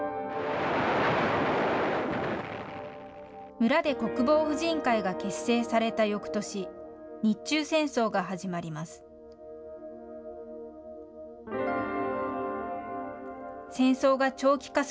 村で国防婦人会が結成されたよくとし、日中戦争が始まります。